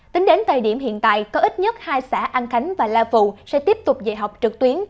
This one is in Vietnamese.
tính đến thời điểm hiện tại có ít nhất hai xã an khánh và la phụ sẽ tiếp tục dạy học trực tuyến